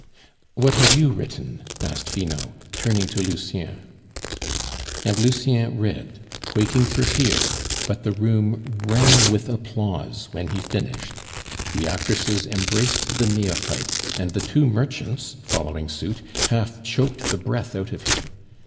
"What have you written?" asked Finot, turning to Lucien. And Lucien read, quaking for fear, but the room rang with applause when he finished; the actresses embraced the neophyte; and the two merchants, following suit, half choked the breath out of him.